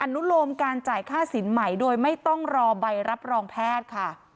อนุโลมการจ่ายค่าสินใหม่โดยไม่ต้องรอใบรับรองแพทย์ค่ะ